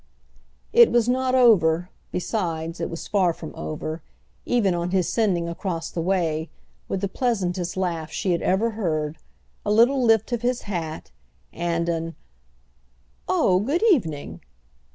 It was not over, besides, it was far from over, even on his sending across the way, with the pleasantest laugh she had ever heard, a little lift of his hat and an "Oh good evening!"